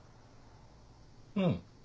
うん。